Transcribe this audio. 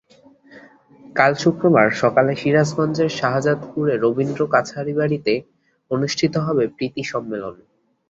কাল শুক্রবার সকালে সিরাজগঞ্জের শাহজাদপুরে রবীন্দ্র কাছারিবাড়িতে অনুষ্ঠিত হবে প্রীতি সম্মিলন।